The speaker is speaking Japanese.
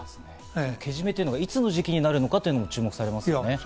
けじめというのがいつの時期になるかも注目されていますね。